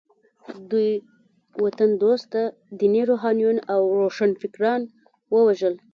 دوی وطن دوسته ديني روحانيون او روښانفکران ووژل.